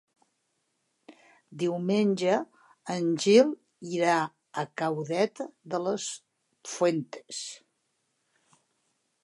Diumenge en Gil irà a Caudete de las Fuentes.